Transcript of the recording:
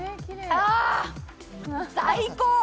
あ、最高！